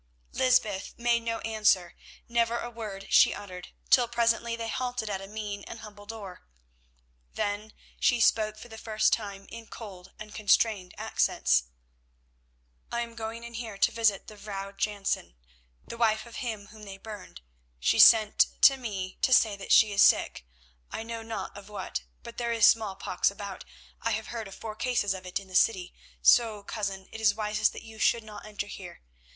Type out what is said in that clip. Lysbeth made no answer, never a word she uttered, till presently they halted at a mean and humble door. Then she spoke for the first time in cold and constrained accents. "I am going in here to visit the Vrouw Jansen; you have heard of her, the wife of him whom they burned. She sent to me to say that she is sick, I know not of what, but there is smallpox about; I have heard of four cases of it in the city, so, cousin, it is wisest that you should not enter here.